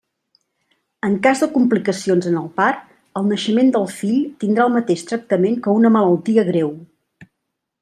En cas de complicacions en el part, el naixement del fill tindrà el mateix tractament que una malaltia greu.